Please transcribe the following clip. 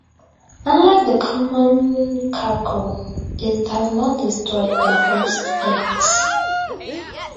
Unlike the common cuckoo, it does not destroy the host's eggs.